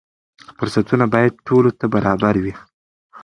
فرصتونه باید ټولو ته برابر وي.